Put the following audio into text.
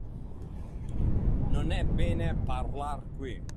Non è bene parlar qui.